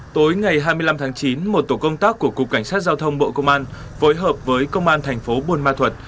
tối ngày hai mươi năm tháng chín một tổ công tác của cục cảnh sát giao thông bộ công an phối hợp với công an thành phố buôn ma thuật